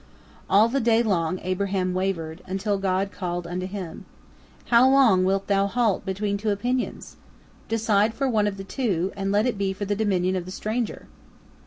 All the day long Abraham wavered, until God called unto him: "How long wilt thou halt between two opinions? Decide for one of the two, and let it be for the dominion of the stranger!"